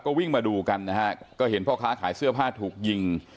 ก็วิ่งมาดูกันนะฮะก็เห็นพ่อค้าขายเสื้อผ้าถูกยิง